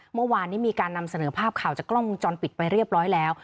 เมื่อวานนี้มีการนำเสนอภาพข่าวจากกล้องวงจรปิดไปเรียบร้อยแล้ว